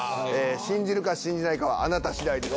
信じるか信じないかはあなた次第です。